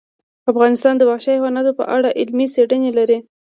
افغانستان د وحشي حیوانات په اړه علمي څېړنې لري.